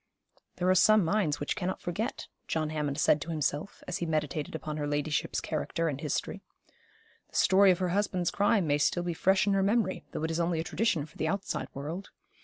'There are some minds which cannot forget,' John Hammond said to himself, as he meditated upon her ladyship's character and history. 'The story of her husband's crime may still be fresh in her memory, though it is only a tradition for the outside world.